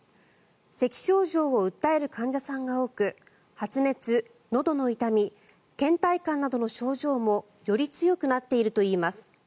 せき症状を訴える患者さんが多く発熱、のどの痛みけん怠感などの症状もより強くなっているといいます。